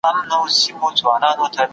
سیاسي پريکړي تر اقتصادي پريکړو سختي دي.